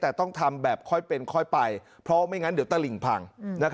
แต่ต้องทำแบบค่อยเป็นค่อยไปเพราะไม่งั้นเดี๋ยวตลิ่งพัง